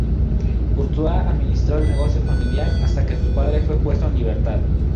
Courtois administró el negocio familiar hasta que su padre fue puesto en libertad.